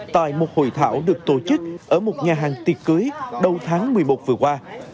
tại một hội thảo được tổ chức ở một nhà hàng tiệc cưới đầu tháng một mươi một vừa qua